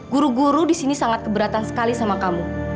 guru guru di sini sangat keberatan sekali sama kamu